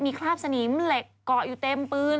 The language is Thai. มีคราบสนิมเหล็กเกาะอยู่เต็มปืน